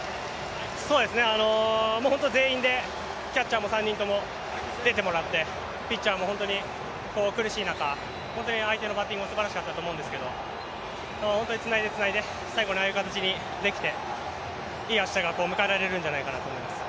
そうですね、全員でキャッチャーも３人とも出てもらってピッチャーも本当に苦しい中相手のバッティングもすばらしかったと思うんですけど、つないでつないで最後にああいう形にできて、いい明日が迎えられるんじゃないかと思います。